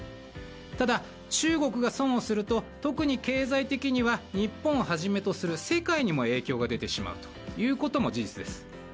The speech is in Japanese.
ただ、中国が損をすると特に経済的には日本をはじめとする世界にも影響が出てしまうということも事実です。